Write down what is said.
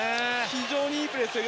非常にいいプレーでしたよ